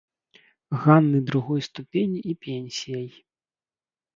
Ганны другой ступені і пенсіяй.